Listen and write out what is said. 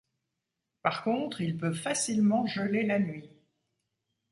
Par contre, il peut facilement geler la nuit.